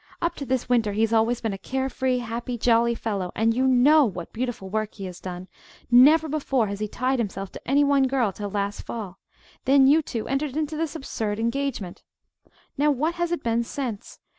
Up to this winter he's always been a care free, happy, jolly fellow, and you know what beautiful work he has done. Never before has he tied himself to any one girl till last fall. Then you two entered into this absurd engagement. "Now what has it been since?